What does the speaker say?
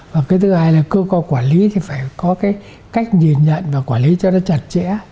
và cái thứ hai là cơ quan quản lý thì phải có cái cách nhìn nhận và quản lý cho nó chặt chẽ